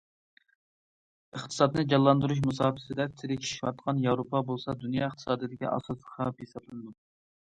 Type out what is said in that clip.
ئىقتىسادنى جانلاندۇرۇش مۇساپىسىدە تىركىشىۋاتقان ياۋروپا بولسا دۇنيا ئىقتىسادىدىكى ئاساسلىق خەۋپ ھېسابلىنىدۇ.